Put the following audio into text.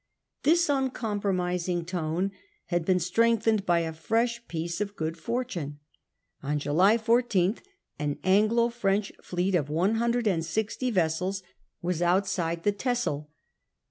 This uncompromising tone had been strengthened by a fresh piece of good fortune. On July 14 an Anglo French fleet of 160 vessels was outside the Texel.